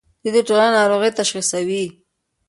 دوی د ټولنې ناروغۍ تشخیصوي.